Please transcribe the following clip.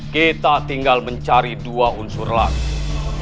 kita tinggal mencari dua unsur lagi